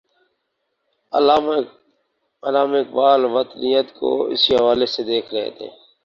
علامہ اقبال وطنیت کو اسی حوالے سے دیکھ رہے تھے۔